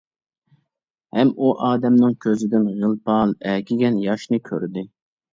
ھەم ئۇ ئادەمنىڭ كۆزىدىن غىل-پال ئەگىگەن ياشنى كۆردى.